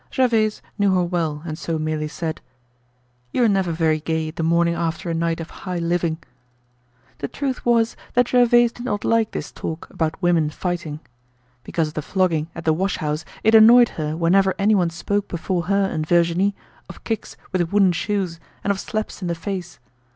Gervaise knew her well, and so merely said: "You're never very gay the morning after a night of high living." The truth was that Gervaise did not like this talk about women fighting. Because of the flogging at the wash house it annoyed her whenever anyone spoke before her and Virginie of kicks with wooden shoes and of slaps in the face.